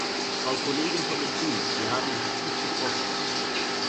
Frau Kollegin von den Grünen, Sie haben mich tief getroffen.